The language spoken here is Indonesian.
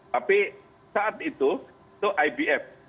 tapi saat itu itu ibf